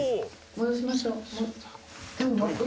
戻しましょう。